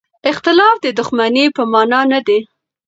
اختلاف د دښمنۍ په مانا نه دی.